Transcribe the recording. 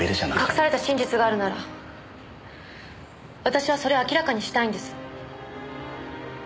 隠された真実があるなら私はそれを明らかにしたいんです。